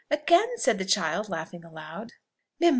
again!" said the child, laughing aloud.